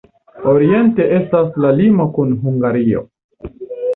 Oriente estas la limo kun Hungario.